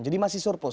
jadi masih surplus